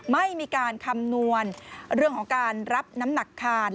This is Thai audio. ไม่มีการคำนวณเรื่องของการรับน้ำหนักคาน